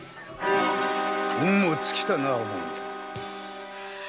運も尽きたなおもん。